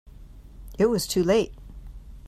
It was too late.